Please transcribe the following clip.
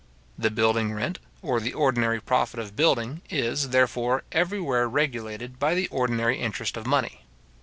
The building rent, or the ordinary profit of building, is, therefore, everywhere regulated by the ordinary interest of money.